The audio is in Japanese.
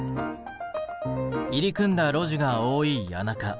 入り組んだ路地が多い谷中。